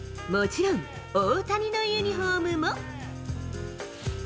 もちろん大谷のユニホームも。